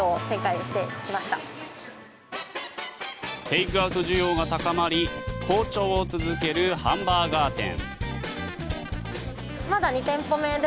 テイクアウト需要が高まり好調を続けるハンバーガー店。